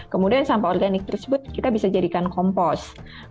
kemudian sampah organik tersebut kita bisa jadikan kompos